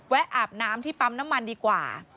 อาบน้ำที่ปั๊มน้ำมันดีกว่า